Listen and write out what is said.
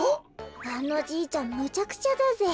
あのじいちゃんむちゃくちゃだぜ。